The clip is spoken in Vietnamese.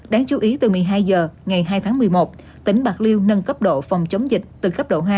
đáng chú ý từ một mươi hai h ngày hai tháng một mươi một tỉnh bạc liêu nâng cấp độ phòng chống dịch từ cấp độ hai